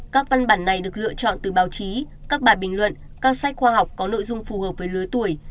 các văn bản này được lựa chọn từ báo chí các bài bình luận các sách khoa học có nội dung phù hợp với lứa tuổi